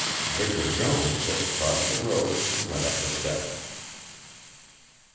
Victor Jones just crossed the road and went up the steps.